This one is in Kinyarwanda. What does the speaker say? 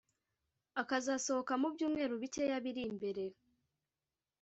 akazasohoka mu byumweru bikeya biri imbere